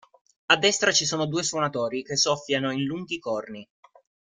A destra ci sono due suonatori che soffiano in lunghi corni.